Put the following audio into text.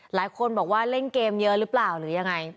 หลายคนบอกว่าเล่นเกมเยอะหรือเปล่าหรือยังไง